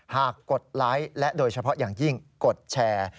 กดไลค์และโดยเฉพาะอย่างยิ่งกดแชร์